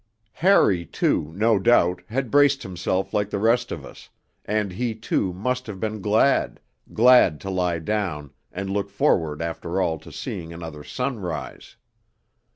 Harry, too, no doubt, had braced himself like the rest of us, and he, too, must have been glad, glad to lie down and look forward after all to seeing another sunrise.